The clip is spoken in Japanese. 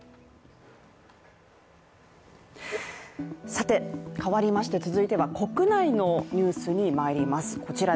さて、変わりまして続いては国内のニュースにまいります。